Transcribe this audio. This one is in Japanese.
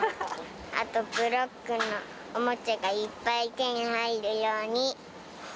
あとブロックのおもちゃがいっぱい手に入るように。